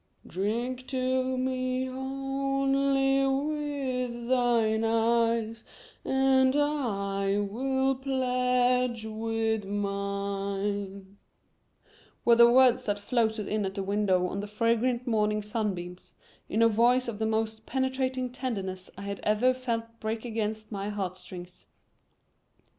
"Drink to me only with thine eyes And I will pledge with mine," were the words that floated in at the window on the fragrant morning sunbeams, in a voice of the most penetrating tenderness I had ever felt break against my heartstrings.